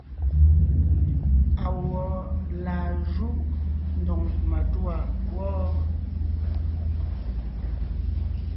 Awɔ̌ laa júʼ ndóŋ matûa wɔ́?